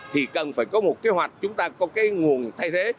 thì cần phải có một kế hoạch chúng ta có cái nguồn thay thế